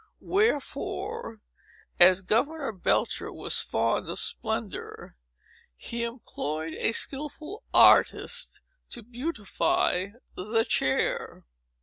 Wherefore, as Governor Belcher was fond of splendor, he employed a skilful artist to beautify the chair.